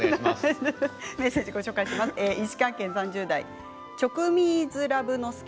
メッセージをご紹介します。